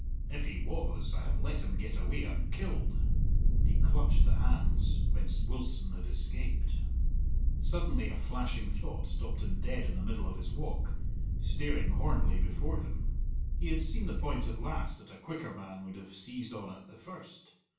"If he was, I have let him get away unkilled," and he clutched the hands whence Wilson had escaped. Suddenly a flashing thought stopped him dead in the middle of his walk, staring hornily before him. He had seen the point at last that a quicker man would have seized on at the first.